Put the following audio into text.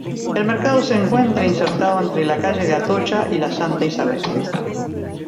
El mercado se encuentra insertado entre la calle de Atocha y la Santa Isabel.